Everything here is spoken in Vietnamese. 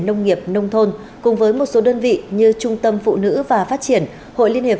nông nghiệp nông thôn cùng với một số đơn vị như trung tâm phụ nữ và phát triển hội liên hiệp